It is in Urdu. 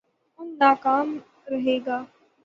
ان کانام رہے گا۔